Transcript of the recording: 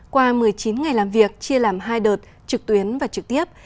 qua một mươi chín ngày làm việc chia làm hai đợt trực tuyến và trực tiếp